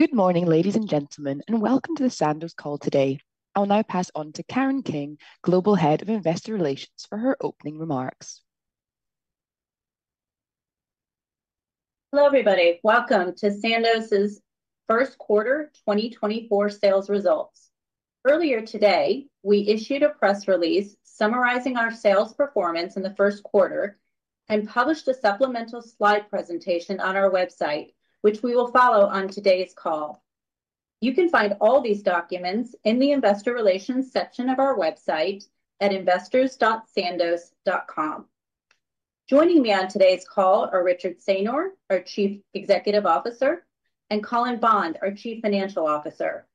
Good morning, ladies and gentlemen, and welcome to the Sandoz call today. I'll now pass on to Karen King, Global Head of Investor Relations, for her opening remarks. Hello everybody, welcome to Sandoz's First Quarter 2024 Sales Results. Earlier today we issued a press release summarizing our sales performance in the first quarter and published a supplemental slide presentation on our website, which we will follow on today's call. You can find all these documents in the Investor Relations section of our website at investors.sandoz.com. Joining me on today's call are Richard Saynor, our Chief Executive Officer, and Colin Bond, our Chief Financial Officer.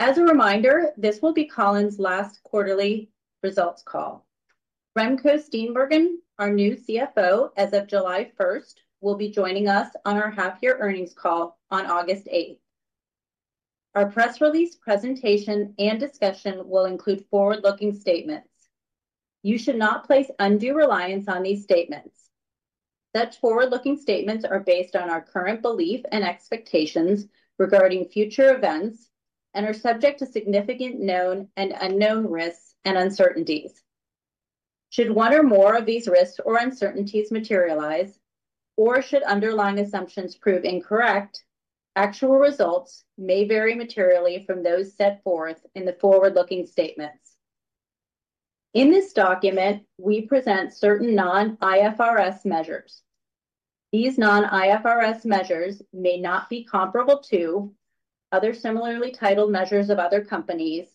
As a reminder, this will be Colin's last quarterly results call. Remco Steenbergen, our new CFO as of July 1, will be joining us on our half-year earnings call on August 8. Our press release presentation and discussion will include forward-looking statements. You should not place undue reliance on these statements. Such forward-looking statements are based on our current belief and expectations regarding future events and are subject to significant known and unknown risks and uncertainties. Should one or more of these risks or uncertainties materialize, or should underlying assumptions prove incorrect, actual results may vary materially from those set forth in the forward-looking statements. In this document, we present certain non-IFRS measures. These non-IFRS measures may not be comparable to other similarly titled measures of other companies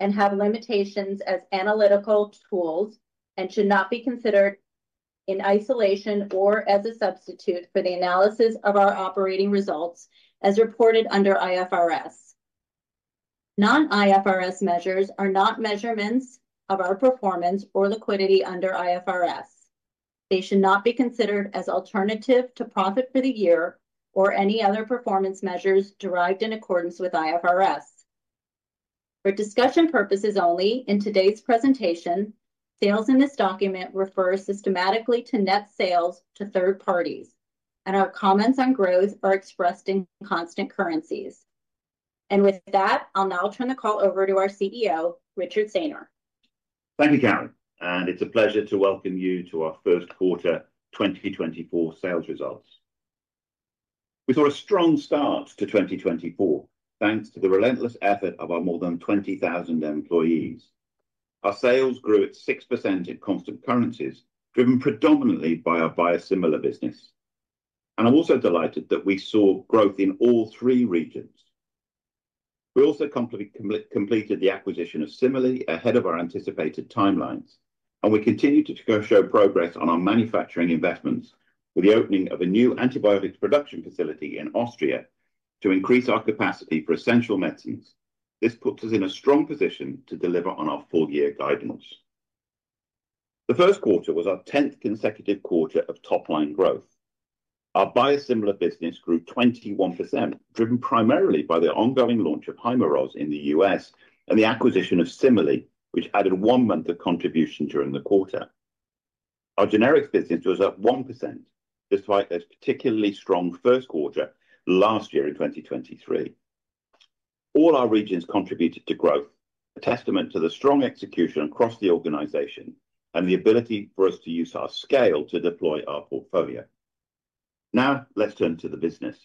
and have limitations as analytical tools and should not be considered in isolation or as a substitute for the analysis of our operating results as reported under IFRS. Non-IFRS measures are not measurements of our performance or liquidity under IFRS. They should not be considered as alternative to profit for the year or any other performance measures derived in accordance with IFRS. For discussion purposes only, in today's presentation, sales in this document refer systematically to net sales to third parties, and our comments on growth are expressed in constant currencies. With that, I'll now turn the call over to our Chief Executive Officer, Richard Saynor. Thank you, Karen, and it's a pleasure to welcome you to our first quarter 2024 sales results. We saw a strong start to 2024 thanks to the relentless effort of our more than 20,000 employees. Our sales grew at 6% in constant currencies, driven predominantly by our biosimilar business, and I'm also delighted that we saw growth in all three regions. We also completed the acquisition of Cimerli ahead of our anticipated timelines, and we continue to show progress on our manufacturing investments with the opening of a new antibiotics production facility in Austria to increase our capacity for essential medicines. This puts us in a strong position to deliver on our full-year guidance. The first quarter was our 10th consecutive quarter of top-line growth. Our biosimilar business grew 21%, driven primarily by the ongoing launch of Hyrimoz in the U.S. and the acquisition of Cimerli, which added one month of contribution during the quarter. Our generics business was up 1% despite a particularly strong first quarter last year in 2023. All our regions contributed to growth, a testament to the strong execution across the organization and the ability for us to use our scale to deploy our portfolio. Now let's turn to the business.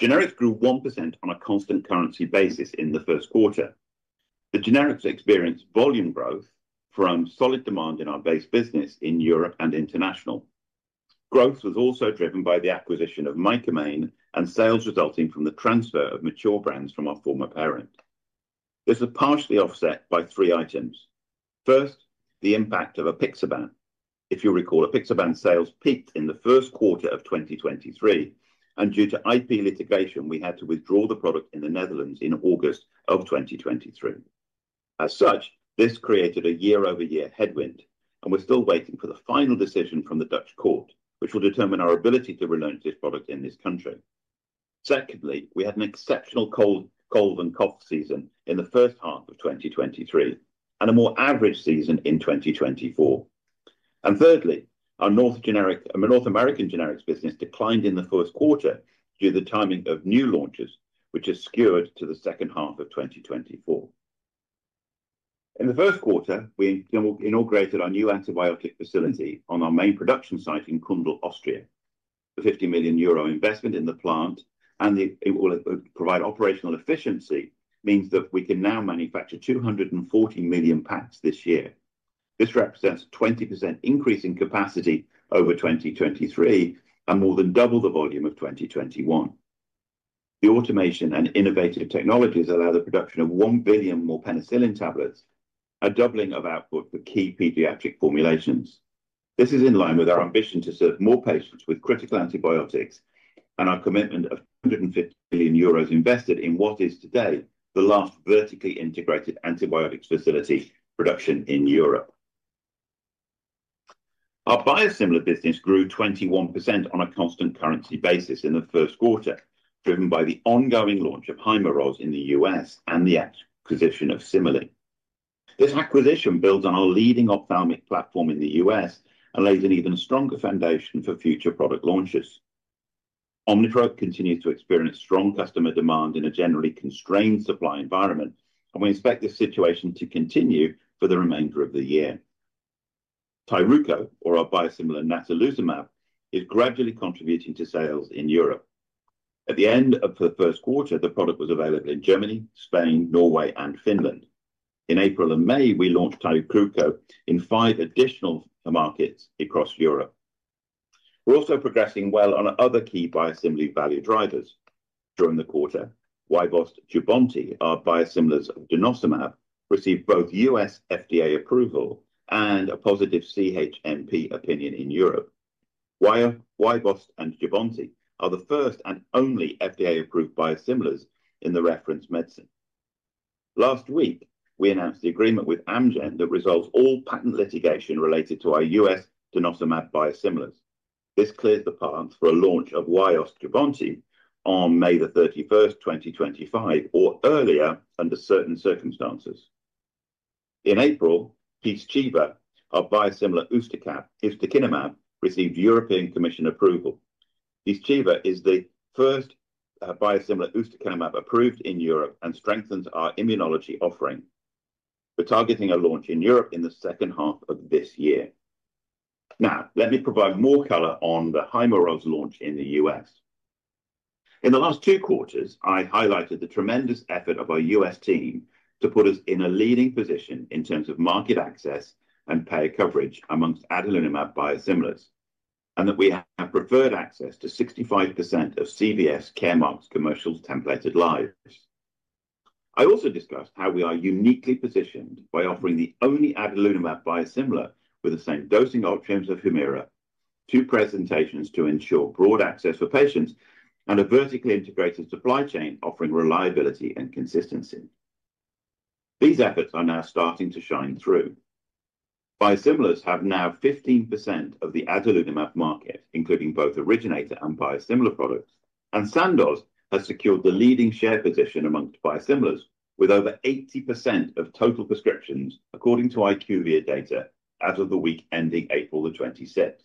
Generics grew 1% on a constant currency basis in the first quarter. The generics experienced volume growth from solid demand in our base business in Europe and international. Growth was also driven by the acquisition of Mycamine and sales resulting from the transfer of mature brands from our former parent. This was partially offset by three items. First, the impact of apixaban. If you recall, apixaban sales peaked in the first quarter of 2023, and due to IP litigation, we had to withdraw the product in the Netherlands in August of 2023. As such, this created a year-over-year headwind, and we're still waiting for the final decision from the Dutch court, which will determine our ability to relaunch this product in this country. Secondly, we had an exceptional cold cough season in the first half of 2023 and a more average season in 2024. Thirdly, our North American generics business declined in the first quarter due to the timing of new launches, which has skewed to the second half of 2024. In the first quarter, we inaugurated our new antibiotic facility on our main production site in Kundl, Austria. The 50 million euro investment in the plant and it will provide operational efficiency means that we can now manufacture 240 million packs this year. This represents a 20% increase in capacity over 2023 and more than double the volume of 2021. The automation and innovative technologies allow the production of 1 billion more penicillin tablets, a doubling of output for key pediatric formulations. This is in line with our ambition to serve more patients with critical antibiotics and our commitment of 250 million euros invested in what is today the last vertically integrated antibiotics facility production in Europe. Our biosimilar business grew 21% on a constant currency basis in the first quarter, driven by the ongoing launch of Hyrimoz in the U.S. and the acquisition of Cimerli. This acquisition builds on our leading ophthalmic platform in the U.S. and lays an even stronger foundation for future product launches. Omnitrope continues to experience strong customer demand in a generally constrained supply environment, and we expect this situation to continue for the remainder of the year. Tyruko, or our biosimilar natalizumab, is gradually contributing to sales in Europe. At the end of the first quarter, the product was available in Germany, Spain, Norway, and Finland. In April and May, we launched Tyruko in five additional markets across Europe. We're also progressing well on other key biosimilar value drivers. During the quarter, Wyost and Jubbonti, our biosimilars of denosumab, received both U.S. FDA approval and a positive CHMP opinion in Europe. Wyost and Jubbonti are the first and only FDA-approved biosimilars in the reference medicine. Last week, we announced the agreement with Amgen that resolves all patent litigation related to our U.S. denosumab biosimilars. This clears the path for a launch of Wyost and Jubbonti on May 31, 2025, or earlier under certain circumstances. In April, Pyzchiva, our biosimilar ustekinumab, received European Commission approval. Pyzchiva is the first biosimilar ustekinumab approved in Europe and strengthens our immunology offering. We're targeting a launch in Europe in the second half of this year. Now, let me provide more color on the Hyrimoz launch in the U.S. In the last two quarters, I highlighted the tremendous effort of our U.S. team to put us in a leading position in terms of market access and payer coverage amongst adalimumab biosimilars, and that we have preferred access to 65% of CVS Caremark's commercial templated lives. I also discussed how we are uniquely positioned by offering the only adalimumab biosimilar with the same dosing options of Humira, two presentations to ensure broad access for patients, and a vertically integrated supply chain offering reliability and consistency. These efforts are now starting to shine through. Biosimilars have now 15% of the adalimumab market, including both originator and biosimilar products, and Sandoz has secured the leading share position amongst biosimilars with over 80% of total prescriptions, according to IQVIA data, as of the week ending April 26.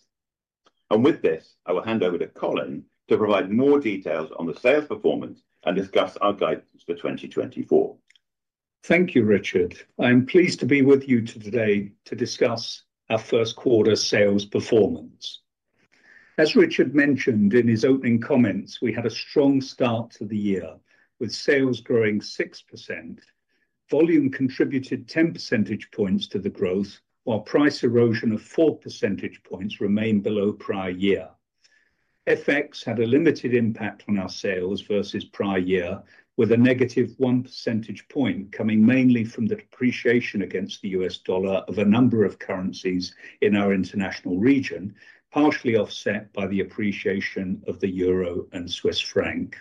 With this, I will hand over to Colin to provide more details on the sales performance and discuss our guidance for 2024. Thank you, Richard. I'm pleased to be with you today to discuss our first quarter sales performance. As Richard mentioned in his opening comments, we had a strong start to the year with sales growing 6%. Volume contributed 10 percentage points to the growth, while price erosion of 4 percentage points remained below prior year. FX had a limited impact on our sales versus prior year, with a negative 1 percentage point coming mainly from the depreciation against the U.S. dollar of a number of currencies in our international region, partially offset by the appreciation of the euro and Swiss franc.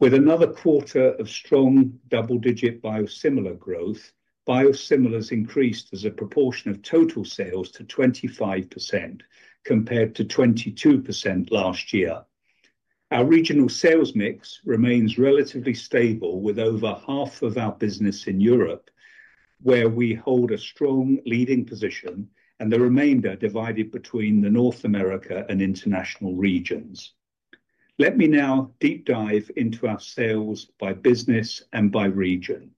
With another quarter of strong double-digit biosimilar growth, biosimilars increased as a proportion of total sales to 25% compared to 22% last year. Our regional sales mix remains relatively stable, with over half of our business in Europe, where we hold a strong leading position, and the remainder divided between the North America and international regions. Let me now deep dive into our sales by business and by region.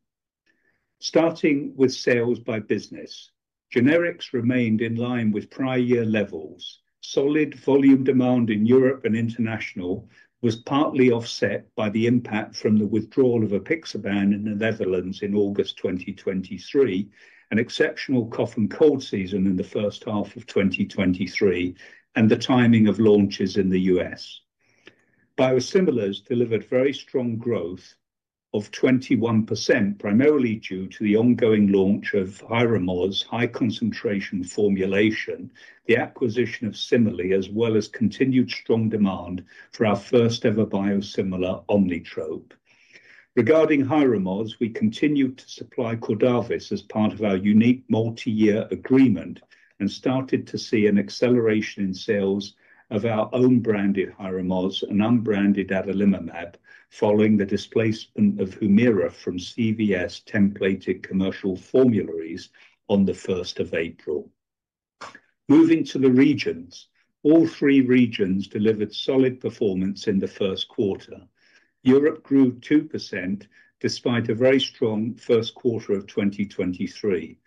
Starting with sales by business, generics remained in line with prior year levels. Solid volume demand in Europe and international was partly offset by the impact from the withdrawal of apixaban in the Netherlands in August 2023, an exceptional cough and cold season in the first half of 2023, and the timing of launches in the U.S. Biosimilars delivered very strong growth of 21%, primarily due to the ongoing launch of Hyrimoz high concentration formulation, the acquisition of Cimerli, as well as continued strong demand for our first-ever biosimilar Omnitrope. Regarding Hyrimoz, we continued to supply Cordavis as part of our unique multi-year agreement and started to see an acceleration in sales of our own branded Hyrimoz and unbranded adalimumab following the displacement of Humira from CVS templated commercial formularies on the 1st of April. Moving to the regions, all three regions delivered solid performance in the first quarter. Europe grew 2% despite a very strong first quarter of 2023.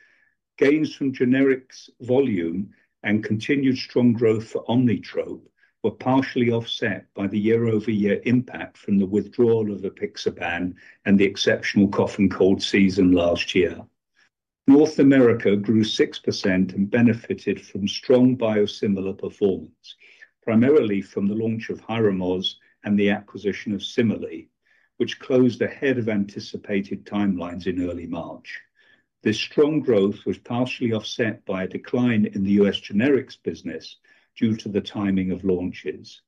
Gains from generics volume and continued strong growth for Omnitrope were partially offset by the year-over-year impact from the withdrawal of apixaban and the exceptional cough and cold season last year. North America grew 6% and benefited from strong biosimilar performance, primarily from the launch of Hyrimoz and the acquisition of Cimerli, which closed ahead of anticipated timelines in early March. This strong growth was partially offset by a decline in the U.S. generics business due to the timing of launches.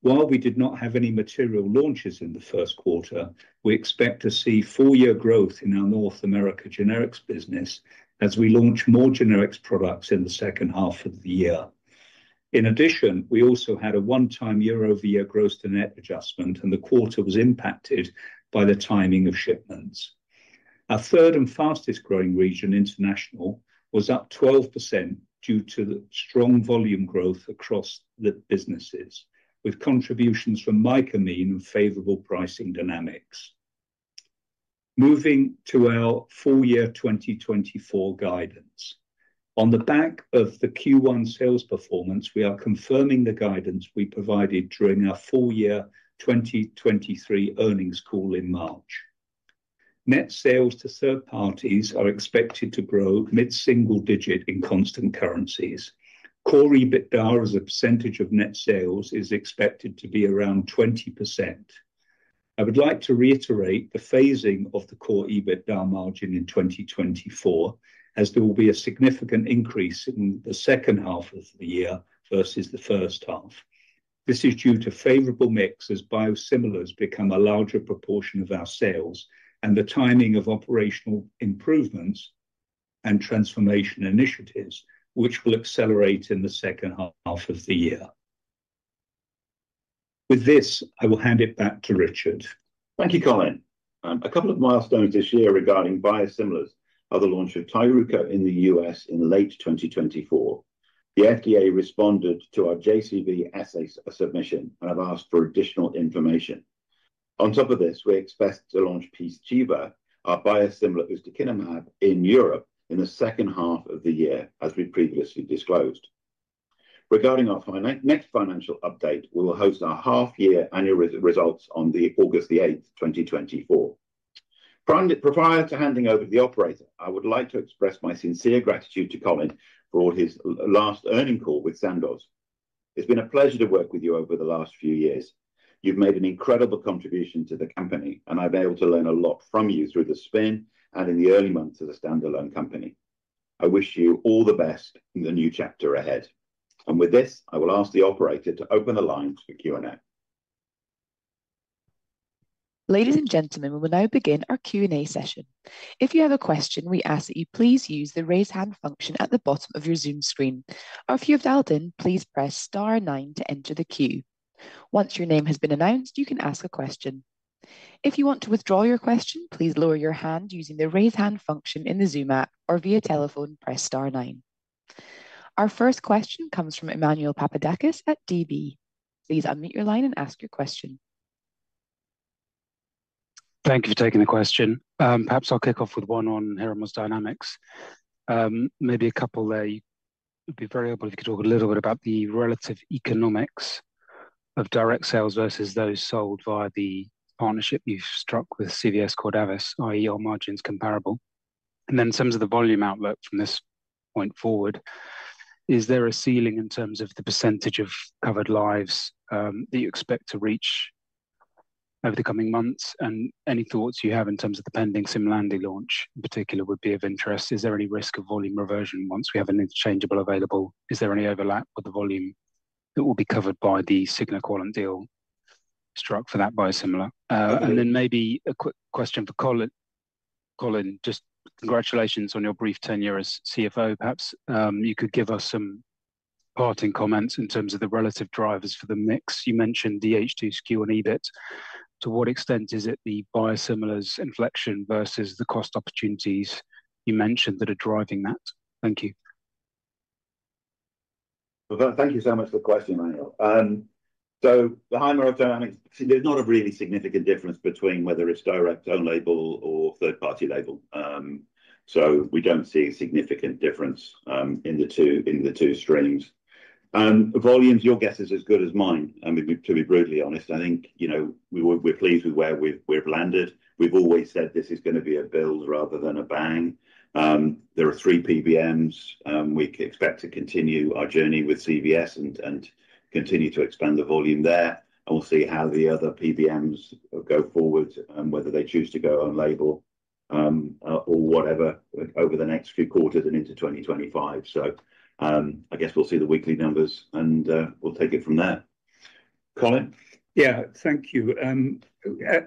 While we did not have any material launches in the first quarter, we expect to see full-year growth in our North America generics business as we launch more generics products in the second half of the year. In addition, we also had a one-time year-over-year growth-to-net adjustment, and the quarter was impacted by the timing of shipments. Our third and fastest growing region, international, was up 12% due to the strong volume growth across the businesses, with contributions from Mycamine and favorable pricing dynamics. Moving to our full-year 2024 guidance. On the back of the Q1 sales performance, we are confirming the guidance we provided during our full-year 2023 earnings call in March. Net sales to third parties are expected to grow mid-single digit in constant currencies. Core EBITDA as a percentage of net sales is expected to be around 20%. I would like to reiterate the phasing of the core EBITDA margin in 2024, as there will be a significant increase in the second half of the year versus the first half. This is due to favorable mix as biosimilars become a larger proportion of our sales and the timing of operational improvements and transformation initiatives, which will accelerate in the second half of the year. With this, I will hand it back to Richard. Thank you, Colin. A couple of milestones this year regarding biosimilars are the launch of Tyruko in the U.S. in late 2024. The FDA responded to our JCV assay submission, and I've asked for additional information. On top of this, we expect to launch Pyzchiva, our biosimilar ustekinumab, in Europe in the second half of the year, as we previously disclosed. Regarding our next financial update, we will host our half-year annual results on August 8, 2024. Prior to handing over to the operator, I would like to express my sincere gratitude to Colin for all his last earnings call with Sandoz. It's been a pleasure to work with you over the last few years. You've made an incredible contribution to the company, and I've been able to learn a lot from you through the spin and in the early months as a standalone company. I wish you all the best in the new chapter ahead. With this, I will ask the operator to open the lines for Q&A. Ladies and gentlemen, we will now begin our Q&A session. If you have a question, we ask that you please use the raise hand function at the bottom of your Zoom screen, or if you have dialed in, please press star 9 to enter the queue. Once your name has been announced, you can ask a question. If you want to withdraw your question, please lower your hand using the raise hand function in the Zoom app, or via telephone, press star 9. Our first question comes from Emmanuel Papadakis at DB. Please unmute your line and ask your question. Thank you for taking the question. Perhaps I'll kick off with one on Hyrimoz dynamics. Maybe a couple there. You'd be very helpful if you could talk a little bit about the relative economics of direct sales versus those sold via the partnership you've struck with CVS Cordavis, i.e., your margins comparable. And then some of the volume outlook from this point forward. Is there a ceiling in terms of the percentage of covered lives that you expect to reach over the coming months? And any thoughts you have in terms of the pending Cimerli launch, in particular, would be of interest. Is there any risk of volume reversion once we have an interchangeable available? Is there any overlap with the volume that will be covered by the Cigna Quallent deal struck for that biosimilar? And then maybe a quick question for Colin. Colin, just congratulations on your brief tenure as CFO. Perhaps you could give us some parting comments in terms of the relative drivers for the mix. You mentioned DH2 skew and EBIT. To what extent is it the biosimilars inflection versus the cost opportunities you mentioned that are driving that? Thank you. Thank you so much for the question, Emmanuel. So the Hyrimoz dynamics, there's not a really significant difference between whether it's direct own label or third-party label. So we don't see a significant difference in the two streams. Volumes, your guess is as good as mine, to be brutally honest. I think we're pleased with where we've landed. We've always said this is going to be a build rather than a bang. There are three PBMs. We expect to continue our journey with CVS and continue to expand the volume there. And we'll see how the other PBMs go forward, whether they choose to go on label or whatever over the next few quarters and into 2025. So I guess we'll see the weekly numbers and we'll take it from there. Colin? Yeah, thank you.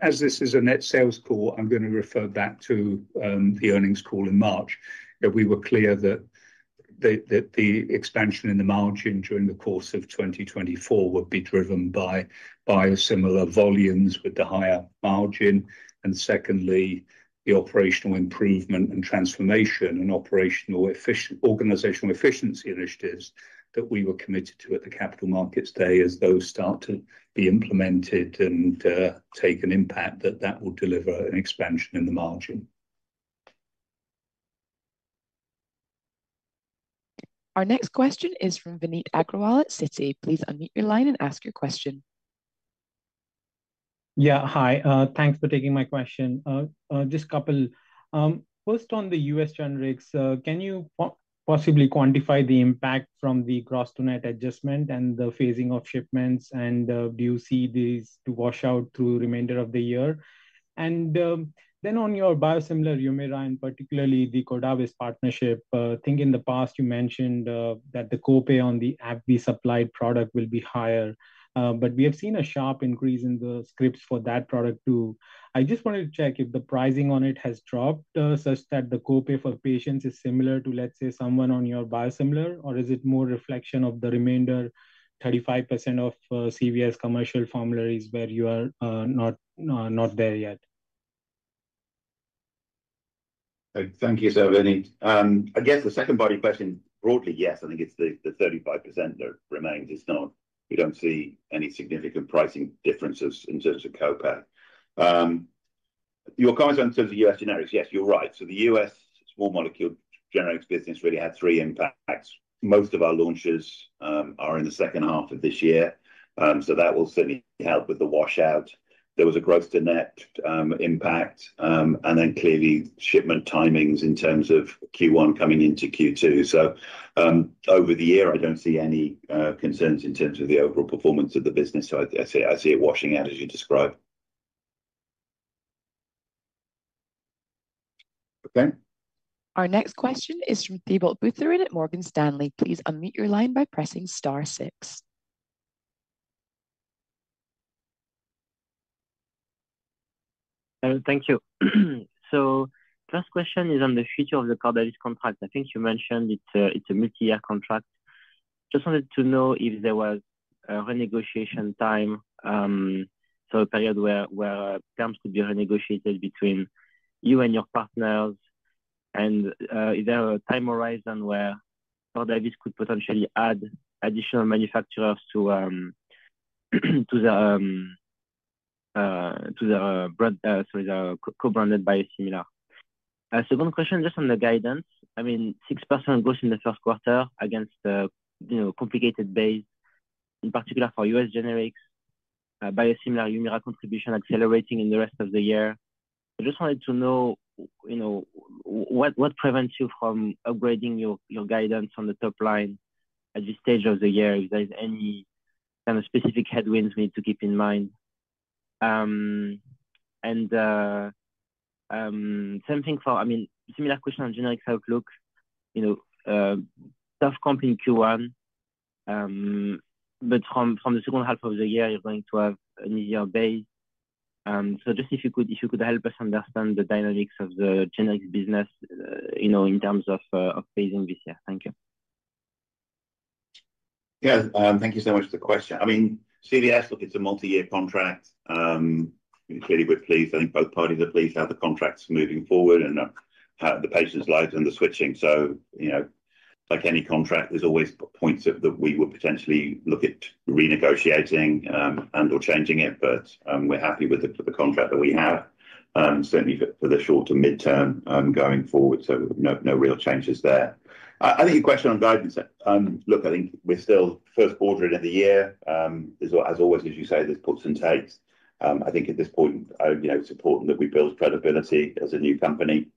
As this is a net sales call, I'm going to refer back to the earnings call in March. We were clear that the expansion in the margin during the course of 2024 would be driven by biosimilar volumes with the higher margin. And secondly, the operational improvement and transformation and organizational efficiency initiatives that we were committed to at the Capital Markets Day, as those start to be implemented and take an impact, that will deliver an expansion in the margin. Our next question is from Vineet Agrawal at Citi. Please unmute your line and ask your question. Yeah, hi. Thanks for taking my question. Just a couple. First, on the U.S. generics, can you possibly quantify the impact from the gross-to-net adjustment and the phasing of shipments? And do you see these two wash out through the remainder of the year? And then on your biosimilar Humira and particularly the Cordavis partnership, I think in the past you mentioned that the copay on the adalimumab supplied product will be higher. But we have seen a sharp increase in the scripts for that product too. I just wanted to check if the pricing on it has dropped such that the copay for patients is similar to, let's say, someone on your biosimilar, or is it more a reflection of the remainder 35% of CVS commercial formularies where you are not there yet? Thank you so much, Vineet. I guess the second body question, broadly, yes. I think it's the 35% that remains. We don't see any significant pricing differences in terms of copay. Your comments on terms of U.S. generics, yes, you're right. So the U.S. small molecule generics business really had three impacts. Most of our launches are in the second half of this year. So that will certainly help with the washout. There was a gross-to-net impact. And then clearly, shipment timings in terms of Q1 coming into Q2. So over the year, I don't see any concerns in terms of the overall performance of the business. So I see it washing out as you described. Our next question is from Thibault Boutherin at Morgan Stanley. Please unmute your line by pressing star 6. Thank you. So the first question is on the future of the Cordavis contract. I think you mentioned it's a multi-year contract. Just wanted to know if there was a renegotiation time, so a period where terms could be renegotiated between you and your partners, and is there a time horizon where Cordavis could potentially add additional manufacturers to their co-branded biosimilar? Second question, just on the guidance. I mean, 6% growth in the first quarter against the complicated base, in particular for U.S. generics, biosimilar Humira contribution accelerating in the rest of the year. I just wanted to know what prevents you from upgrading your guidance on the top line at this stage of the year. If there's any kind of specific headwinds we need to keep in mind. And same thing for, I mean, similar question on generics outlook. Tough comp in Q1, but from the second half of the year, you're going to have an easier base. So just if you could help us understand the dynamics of the generics business in terms of phasing this year? Thank you. Yeah, thank you so much for the question. I mean, CVS, look, it's a multi-year contract. Clearly, we're pleased. I think both parties are pleased how the contract's moving forward and the patient's lives and the switching. So like any contract, there's always points that we would potentially look at renegotiating and/or changing it, but we're happy with the contract that we have, certainly for the short and mid-term going forward. So no real changes there. I think your question on guidance. Look, I think we're still first quarter end of the year. As always, as you say, there's puts and takes. I think at this point, it's important that we build credibility as a new company.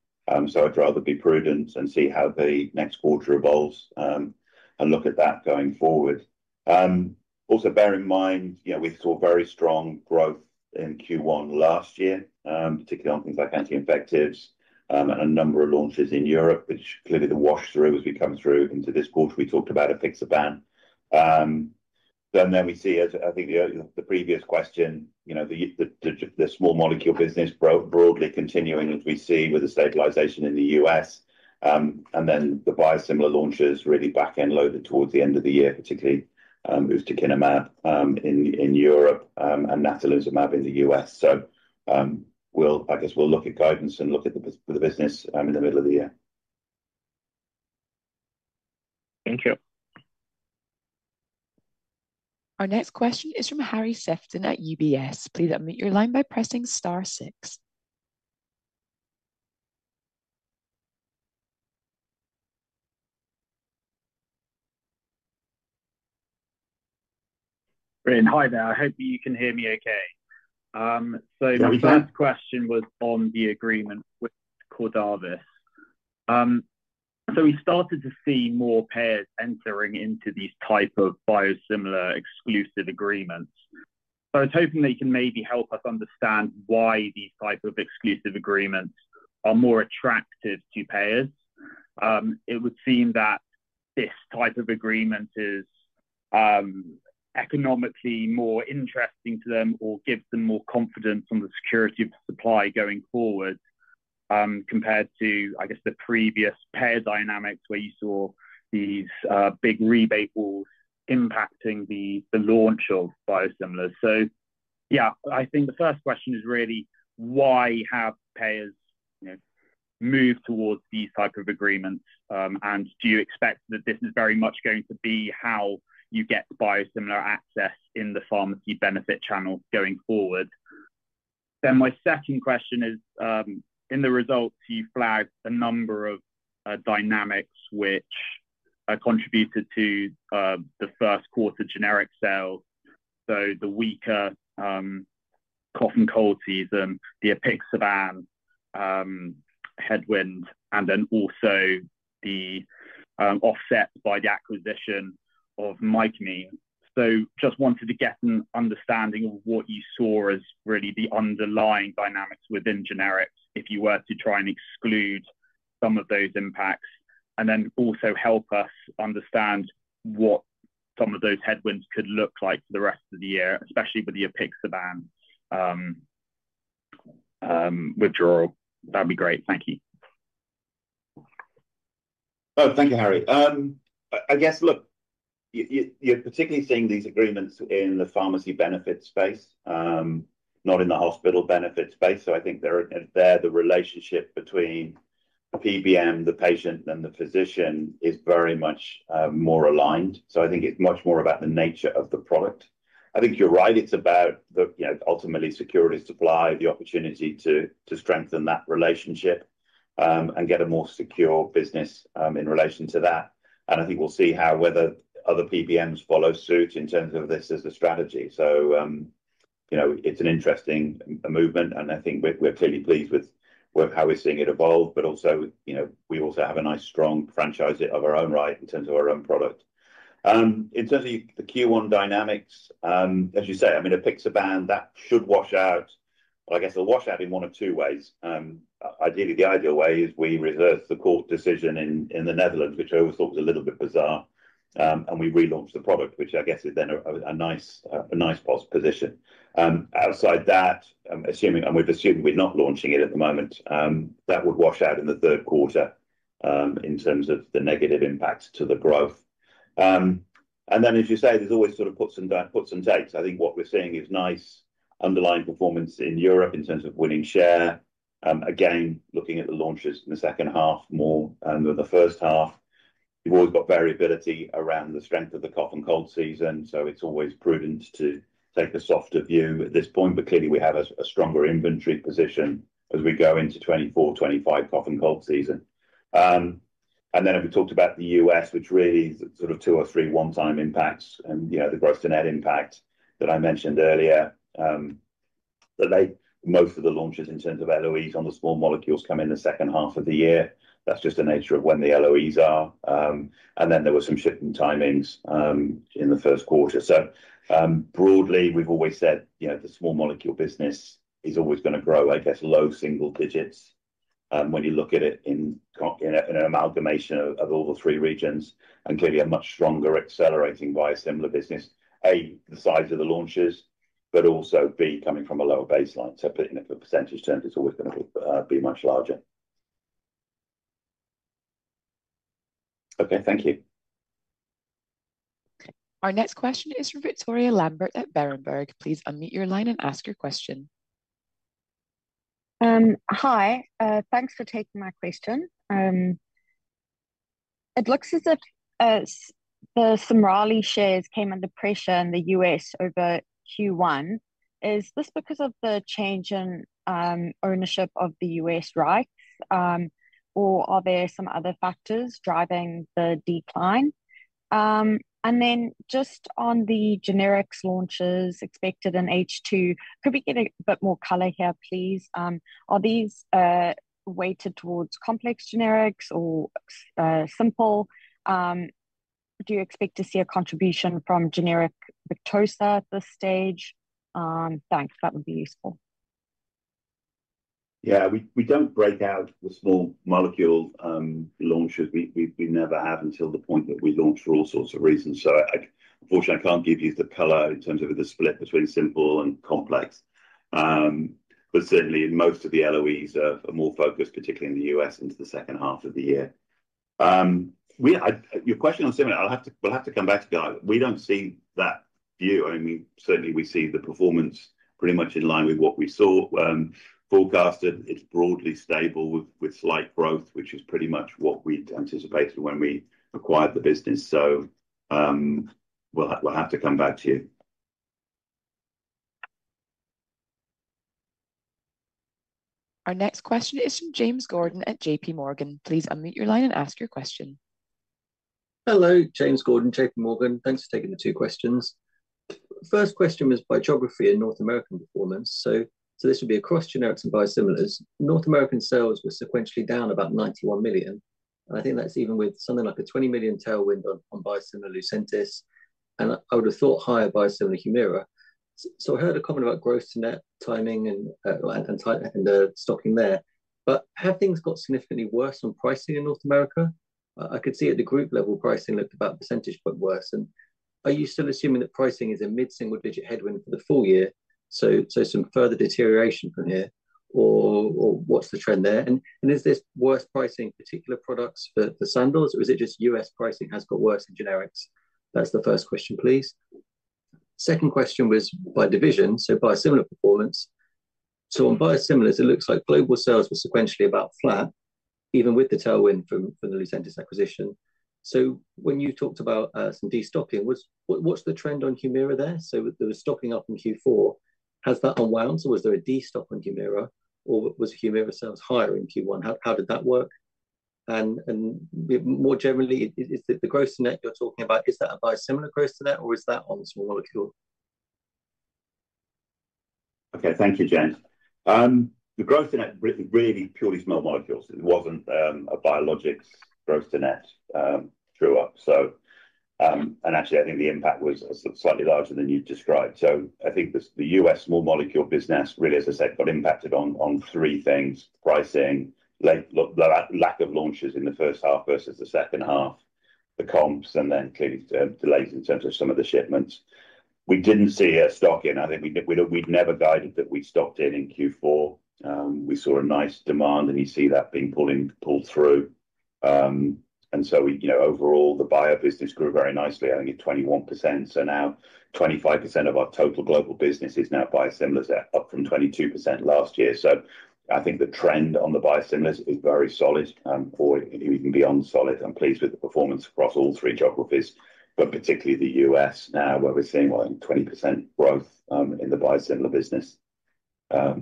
So I'd rather be prudent and see how the next quarter evolves and look at that going forward. Also, bear in mind, we saw very strong growth in Q1 last year, particularly on things like anti-infectives and a number of launches in Europe, which clearly the wash-through has come through into this quarter. We talked about apixaban. And then we see, as I think the previous question, the small molecule business broadly continuing as we see with the stabilization in the U.S. And then the biosimilar launches really backend-loaded towards the end of the year, particularly ustekinumab in Europe and natalizumab in the U.S. So I guess we'll look at guidance and look at the business in the middle of the year. Thank you. Our next question is from Harry Sephton at UBS. Please unmute your line by pressing star 6. Great. Hi there. I hope you can hear me okay. So my first question was on the agreement with Cordavis. So we started to see more payers entering into these type of biosimilar exclusive agreements. So I was hoping that you can maybe help us understand why these type of exclusive agreements are more attractive to payers. It would seem that this type of agreement is economically more interesting to them or gives them more confidence on the security of the supply going forward compared to, I guess, the previous payer dynamics where you saw these big rebate walls impacting the launch of biosimilars. So yeah, I think the first question is really why have payers moved towards these type of agreements? And do you expect that this is very much going to be how you get biosimilar access in the pharmacy benefit channel going forward? Then my second question is, in the results, you flagged a number of dynamics which contributed to the first quarter generic sales. So the weaker cough and cold season, the apixaban headwind, and then also the offset by the acquisition of Mycamine. So just wanted to get an understanding of what you saw as really the underlying dynamics within generics if you were to try and exclude some of those impacts and then also help us understand what some of those headwinds could look like for the rest of the year, especially with the apixaban withdrawal. That'd be great. Thank you. Thank you, Harry. I guess, look, you're particularly seeing these agreements in the pharmacy benefit space, not in the hospital benefit space. So I think there the relationship between the PBM, the patient, and the physician is very much more aligned. So I think it's much more about the nature of the product. I think you're right. It's about ultimately security supply, the opportunity to strengthen that relationship and get a more secure business in relation to that. And I think we'll see whether other PBMs follow suit in terms of this as a strategy. So it's an interesting movement, and I think we're clearly pleased with how we're seeing it evolve. But we also have a nice strong franchise of our own right in terms of our own product. In terms of the Q1 dynamics, as you say, I mean, apixaban, that should wash out. I guess it'll wash out in one of two ways. Ideally, the ideal way is we reverse the court decision in the Netherlands, which I always thought was a little bit bizarre. And we relaunch the product, which I guess is then a nice position. Outside that, assuming and we've assumed we're not launching it at the moment, that would wash out in the third quarter in terms of the negative impact to the growth. And then, as you say, there's always sort of puts and takes. I think what we're seeing is nice underlying performance in Europe in terms of winning share. Again, looking at the launches in the second half more than the first half, you've always got variability around the strength of the cough and cold season. So it's always prudent to take the softer view at this point. But clearly, we have a stronger inventory position as we go into 2024/2025 cough and cold season. And then if we talked about the U.S., which really is sort of two or three one-time impacts and the gross-to-net impact that I mentioned earlier, most of the launches in terms of LOEs on the small molecules come in the second half of the year. That's just the nature of when the LOEs are. And then there were some shifting timings in the first quarter. So broadly, we've always said the small molecule business is always going to grow, I guess, low single digits when you look at it in an amalgamation of all the three regions. And clearly, a much stronger accelerating biosimilar business, A, the size of the launches, but also B, coming from a lower baseline. So putting it in percentage terms, it's always going to be much larger. Okay, thank you. Our next question is from Victoria Lambert at Berenberg. Please unmute your line and ask your question. Hi. Thanks for taking my question. It looks as if the Cimerli share came under pressure in the U.S. over Q1. Is this because of the change in ownership of the U.S. rights, or are there some other factors driving the decline? And then just on the generics launches expected in H2, could we get a bit more color here, please? Are these weighted towards complex generics or simple? Do you expect to see a contribution from generic Victoza at this stage? Thanks. That would be useful. Yeah, we don't break out the small molecule launches. We never have until the point that we launch for all sorts of reasons. So unfortunately, I can't give you the color in terms of the split between simple and complex. But certainly, most of the LOEs are more focused, particularly in the U.S., into the second half of the year. Your question on Cimerli, we'll have to come back to guidance. We don't see that view. I mean, certainly, we see the performance pretty much in line with what we saw forecasted. It's broadly stable with slight growth, which is pretty much what we'd anticipated when we acquired the business. So we'll have to come back to you. Our next question is from James Gordon at J.P. Morgan. Please unmute your line and ask your question. Hello, James Gordon, J.P. Morgan. Thanks for taking the two questions. First question was bios and North American performance. So this would be across generics and biosimilars. North American sales were sequentially down about 91 million. And I think that's even with something like a 20 million tailwind on biosimilar Lucentis. And I would have thought higher biosimilar Humira. So I heard a comment about gross-to-net timing and stocking there. But have things got significantly worse on pricing in North America? I could see at the group level, pricing looked about a percentage point worse. And are you still assuming that pricing is a mid-single-digit headwind for the full year, so some further deterioration from here, or what's the trend there? And is this worse pricing particular products for Sandoz, or is it just U.S. pricing has got worse in generics? That's the first question, please. Second question was by division, so biosimilar performance. So on biosimilars, it looks like global sales were sequentially about flat, even with the tailwind from the Lucentis acquisition. So when you talked about some destocking, what's the trend on Humira there? So there was stocking up in Q4. Has that unwound, or was there a destock on Humira, or was Humira sales higher in Q1? How did that work? And more generally, is the gross-to-net you're talking about, is that a biosimilar gross-to-net, or is that on small molecule? Okay, thank you, James. The gross-to-net is really purely small molecules. It wasn't a biologics gross-to-net drawdown. Actually, I think the impact was slightly larger than you described. So I think the U.S. small molecule business really, as I said, got impacted on three things: pricing, lack of launches in the first half versus the second half, the comps, and then clearly delays in terms of some of the shipments. We didn't see a stock in. I think we'd never guided that we stocked in in Q4. We saw a nice demand, and you see that being pulled through. So overall, the biobusiness grew very nicely, I think, at 21%. Now 25% of our total global business is now biosimilars, up from 22% last year. So I think the trend on the biosimilars is very solid or even beyond solid. I'm pleased with the performance across all three geographies, but particularly the U.S. now where we're seeing, well, 20% growth in the biosimilar business. Yeah,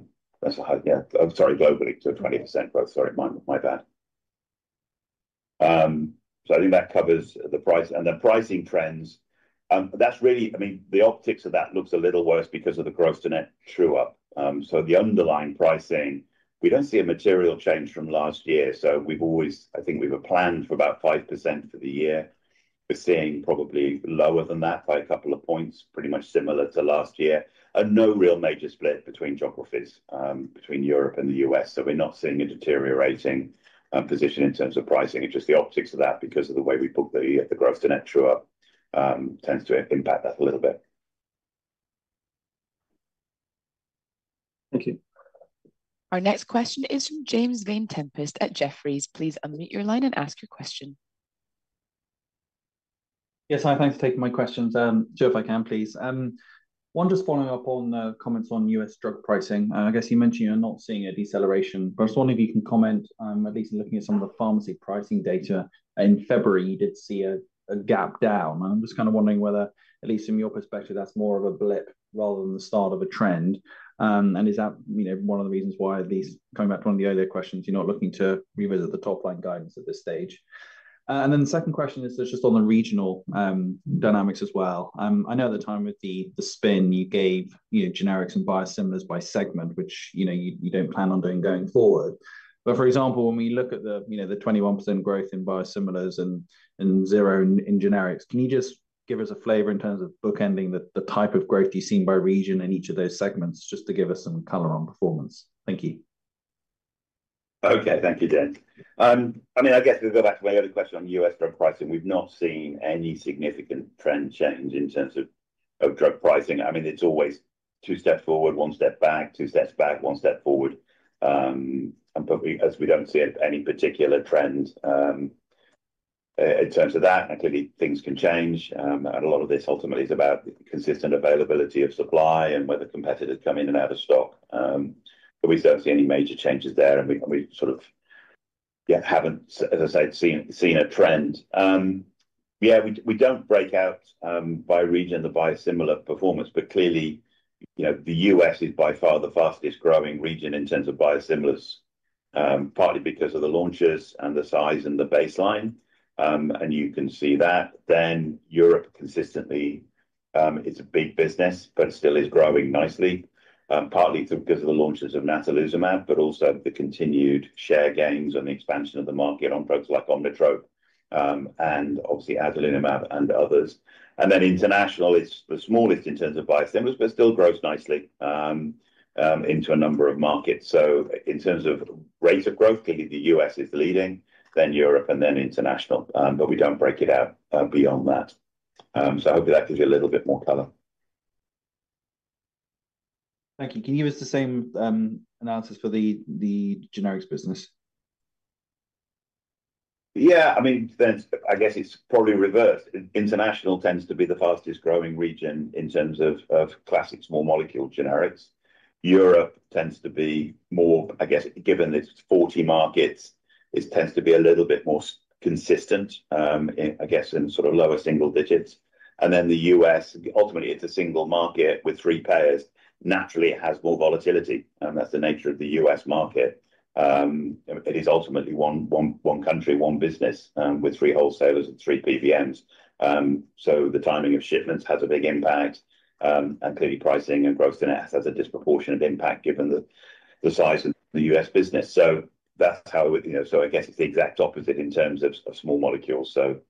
sorry, globally to 20% growth. Sorry, my bad. So I think that covers the price. And then pricing trends, I mean, the optics of that looks a little worse because of the gross-to-net draw up. So the underlying pricing, we don't see a material change from last year. So I think we were planned for about 5% for the year. We're seeing probably lower than that by a couple of points, pretty much similar to last year. And no real major split between geographies, between Europe and the U.S. So we're not seeing a deteriorating position in terms of pricing. It's just the optics of that because of the way we booked the gross-to-net draw up tends to impact that a little bit. Thank you. Our next question is from James Vane-Tempest at Jefferies. Please unmute your line and ask your question. Yes, hi. Thanks for taking my questions. Joe, if I can, please. I'm just following up on comments on U.S. drug pricing. I guess you mentioned you're not seeing a deceleration, but I was wondering if you can comment, at least in looking at some of the pharmacy pricing data, in February, you did see a gap down. And I'm just kind of wondering whether, at least from your perspective, that's more of a blip rather than the start of a trend. And is that one of the reasons why, at least coming back to one of the earlier questions, you're not looking to revisit the top-line guidance at this stage? And then the second question is just on the regional dynamics as well. I know at the time with the spin, you gave generics and biosimilars by segment, which you don't plan on doing going forward. But for example, when we look at the 21% growth in biosimilars and zero in generics, can you just give us a flavor in terms of bookending the type of growth you've seen by region in each of those segments just to give us some color on performance? Thank you. Okay, thank you, James. I mean, I guess we'll go back to my other question on U.S. drug pricing. We've not seen any significant trend change in terms of drug pricing. I mean, it's always two steps forward, one step back, two steps back, one step forward. And as we don't see any particular trend in terms of that, and clearly, things can change. And a lot of this ultimately is about consistent availability of supply and whether competitors come in and out of stock. But we certainly see any major changes there, and we sort of haven't, as I said, seen a trend. Yeah, we don't break out by region the biosimilar performance. But clearly, the U.S. is by far the fastest growing region in terms of biosimilars, partly because of the launches and the size and the baseline. And you can see that. Then Europe, consistently, is a big business, but still is growing nicely, partly because of the launches of natalizumab, but also the continued share gains and the expansion of the market on products like Omnitrope and obviously adalimumab and others. And then international is the smallest in terms of biosimilars, but still grows nicely into a number of markets. So in terms of rate of growth, clearly, the U.S. is leading, then Europe, and then international. But we don't break it out beyond that. So hopefully, that gives you a little bit more color. Thank you. Can you give us the same analysis for the generics business? Yeah, I mean, I guess it's probably reversed. International tends to be the fastest growing region in terms of classic small molecule generics. Europe tends to be more, I guess, given its 40 markets, it tends to be a little bit more consistent, I guess, in sort of lower single digits. And then the U.S., ultimately, it's a single market with three payers, naturally has more volatility. That's the nature of the U.S. market. It is ultimately one country, one business with three wholesalers and three PBMs. So the timing of shipments has a big impact. And clearly, pricing and gross-to-net has a disproportionate impact given the size of the U.S. business. So that's how it would so I guess it's the exact opposite in terms of small molecules. So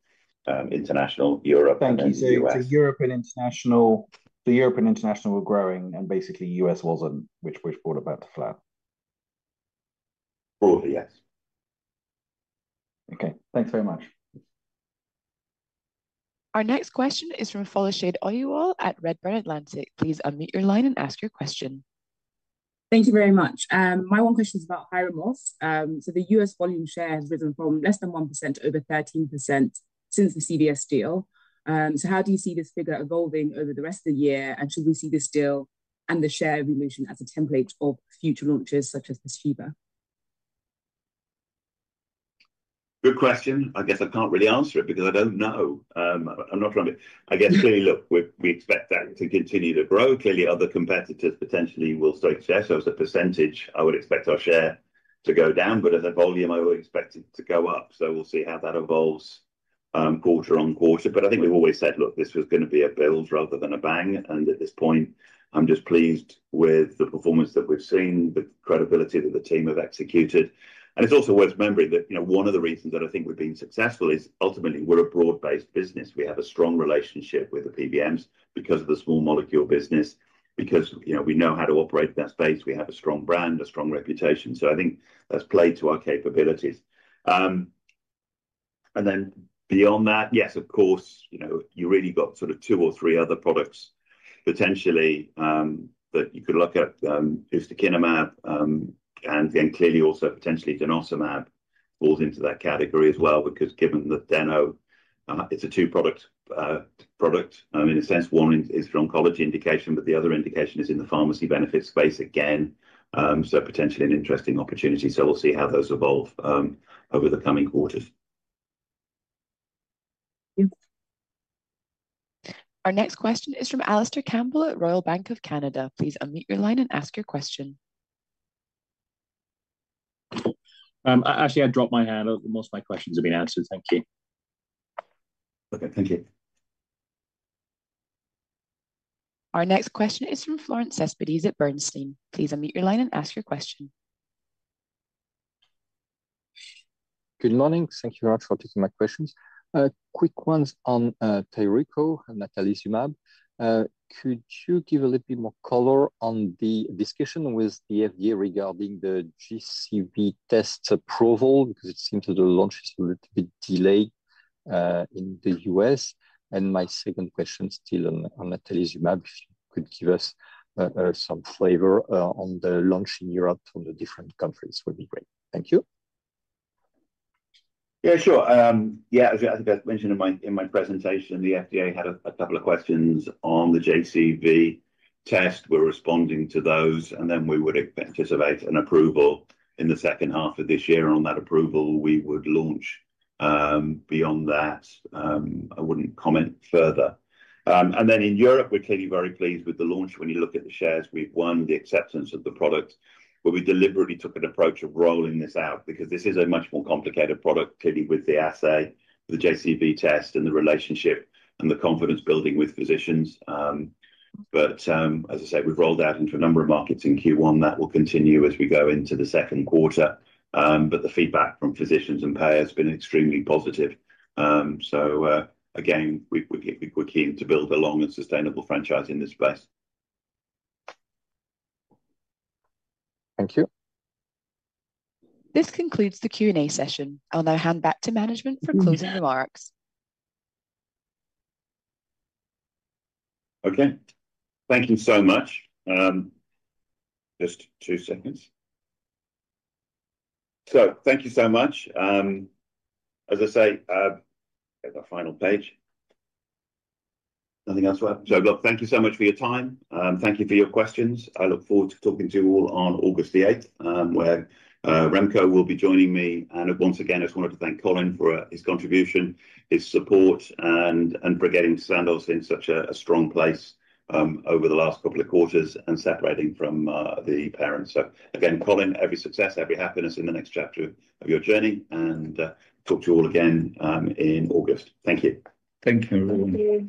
international, Europe, and then the U.S. Thank you. So the European international were growing, and basically, U.S. wasn't, which brought about the flat? Broadly, yes. Okay. Thanks very much. Our next question is from Folashade Ajayi at Redburn Atlantic. Please unmute your line and ask your question. Thank you very much. My one question is about Hyrimoz. The U.S. volume share has risen from less than 1% to over 13% since the CVS deal. How do you see this figure evolving over the rest of the year? And should we see this deal and the share promotion as a template of future launches such as Pyzchiva? Good question. I guess I can't really answer it because I don't know. I'm not trying to, I guess, clearly, look, we expect that to continue to grow. Clearly, other competitors potentially will take share. So as a percentage, I would expect our share to go down. But as a volume, I would expect it to go up. So we'll see how that evolves quarter-over-quarter. But I think we've always said, look, this was going to be a build rather than a bang. And at this point, I'm just pleased with the performance that we've seen, the credibility that the team have executed. And it's also worth remembering that one of the reasons that I think we've been successful is ultimately, we're a broad-based business. We have a strong relationship with the PBMs because of the small molecule business, because we know how to operate in that space. We have a strong brand, a strong reputation. I think that's played to our capabilities. Then beyond that, yes, of course, you really got sort of two or three other products potentially that you could look at ustekinumab. And then clearly, also potentially, denosumab falls into that category as well because given the Deno, it's a two-product product. In a sense, one is for oncology indication, but the other indication is in the pharmacy benefit space again. So potentially an interesting opportunity. We'll see how those evolve over the coming quarters. Thank you. Our next question is from Alastair Campbell at Royal Bank of Canada. Please unmute your line and ask your question. Actually, I dropped my hand. Most of my questions have been answered. Thank you. Okay, thank you. Our next question is from Florent Cespedes at Bernstein. Please unmute your line and ask your question. Good morning. Thank you very much for taking my questions. Quick ones on Tyruko and natalizumab. Could you give a little bit more color on the discussion with the FDA regarding the JCV test approval because it seems that the launch is a little bit delayed in the U.S.? And my second question still on natalizumab, if you could give us some flavor on the launch in Europe from the different countries would be great? Thank you. Yeah, sure. Yeah, as I think I mentioned in my presentation, the FDA had a couple of questions on the JCV test. We're responding to those. And then we would anticipate an approval in the second half of this year. And on that approval, we would launch. Beyond that, I wouldn't comment further. And then in Europe, we're clearly very pleased with the launch. When you look at the shares, we've won the acceptance of the product, but we deliberately took an approach of rolling this out because this is a much more complicated product, clearly, with the assay, the JCV test, and the relationship and the confidence building with physicians. But as I said, we've rolled out into a number of markets in Q1. That will continue as we go into the second quarter. But the feedback from physicians and payers has been extremely positive. So again, we're keen to build a long and sustainable franchise in this space. Thank you. This concludes the Q&A session. I'll now hand back to management for closing remarks. Okay. Thank you so much. Just two seconds. So thank you so much. As I say, I've got the final page. Nothing else to add? So look, thank you so much for your time. Thank you for your questions. I look forward to talking to you all on August the 8th, where Remco will be joining me. And once again, I just wanted to thank Colin for his contribution, his support, and for getting Sandoz in such a strong place over the last couple of quarters and separating from the parents. So again, Colin, every success, every happiness in the next chapter of your journey. And talk to you all again in August. Thank you. Thank you, everyone.